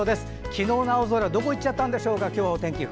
昨日の青空はどこいっちゃったんでしょうか。